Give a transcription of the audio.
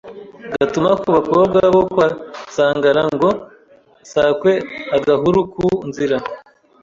gatuma ku bakobwa bo kwa Sangara ngo sakweAgahuru ku nzira